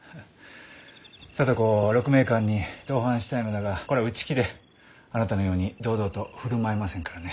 聡子を鹿鳴館に同伴したいのだがこれは内気であなたのように堂々と振る舞えませんからね。